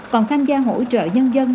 còn tham gia hỗ trợ nhân dân